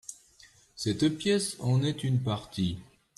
Cette pièce en est une partie.